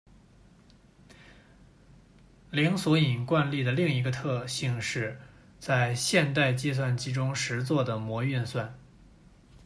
零索引惯例的另一个特性是在现代计算机中实作的模运算。